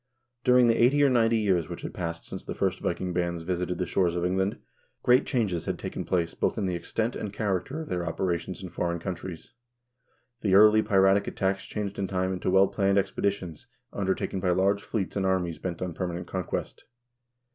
During the eighty or ninety years which had passed since the first Viking bands visited the shores of England, great changes had taken place both in the extent and character of their operations in foreign countries. The early piratic attacks changed in time into well planned expeditions undertaken by large fleets and armies bent on permanent conquest.